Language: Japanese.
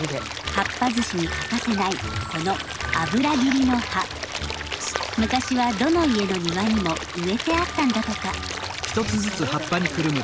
葉っぱ寿司に欠かせない昔はどの家の庭にも植えてあったんだとか。へそうだったんだ！